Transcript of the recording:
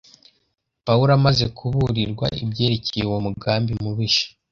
Pawulo amaze kuburirwa ibyerekeye uwo mugambi mubisha,